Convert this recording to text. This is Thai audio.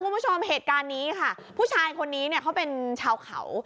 คุณผู้ชมเหตุการณ์นี้ค่ะผู้ชายคนนี้เนี่ยเขาเป็นชาวเขา